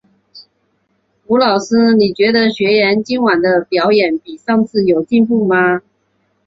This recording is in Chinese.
吴老师，你觉得学员今晚的表演比上次有进步吗？